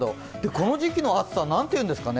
この時期の暑さは何というんですかね。